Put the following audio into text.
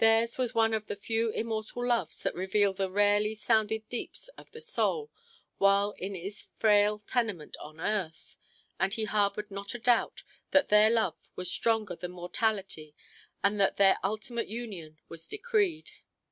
Theirs was one of the few immortal loves that reveal the rarely sounded deeps of the soul while in its frail tenement on earth; and he harbored not a doubt that their love was stronger than mortality and that their ultimate union was decreed.